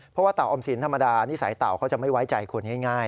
เพราะว่าเต่าออมสินธรรมดานิสัยเต่าเขาจะไม่ไว้ใจคนง่าย